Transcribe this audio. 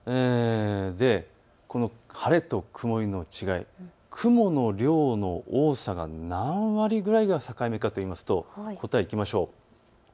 この晴れと曇りの違い、雲の量の多さは何割ぐらいが境目かといいますと答え、いきましょう。